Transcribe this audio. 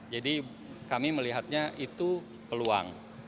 jadi kami melihatnya itu peluang